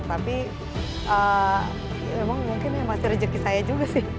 tapi memang mungkin masih rezeki saya juga sih